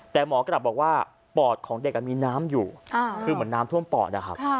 แต่หมอกลับบอกว่าปอดของเด็กมีน้ำอยู่คือเหมือนน้ำท่วมปอดนะครับ